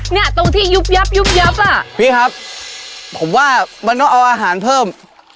เนี่ยตรงที่ยุบยับยุบยับอ่ะพี่ครับผมว่ามันต้องเอาอาหารเพิ่ม